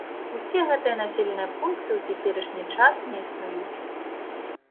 Усе гэтыя населеныя пункты ў цяперашні час не існуюць.